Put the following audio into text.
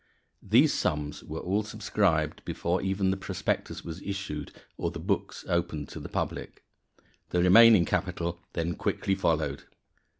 These sums were all subscribed before even the prospectus was issued or the books opened to the public. The remaining capital then quickly followed.